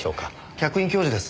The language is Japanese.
客員教授です。